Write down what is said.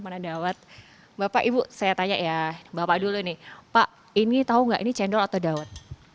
mana dawat bapak ibu saya tanya ya bapak dulu nih pak ini tahu enggak ini channel atau dawat